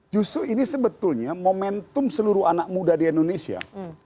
justru ini sebetulnya momentum seluruh anak muda di indonesia